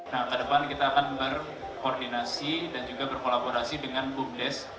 nah ke depan kita akan berkoordinasi dan juga berkolaborasi dengan bumdes